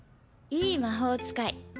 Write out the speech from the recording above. いい魔法使い。